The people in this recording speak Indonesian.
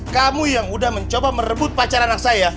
kamu yang udah mencoba merebut pacar anak saya